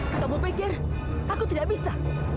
ketemu baker aku tidak bisa